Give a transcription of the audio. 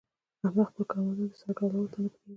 احمد خپل کارمندان د سر ګرولو ته نه پرېږي.